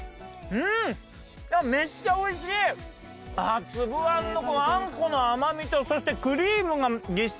うん！あっ粒あんのあんこの甘みとそしてクリームがぎっしりの。